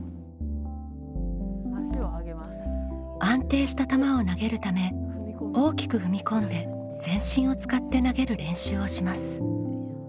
安定した球を投げるため大きく踏み込んで全身を使って投げる練習をします。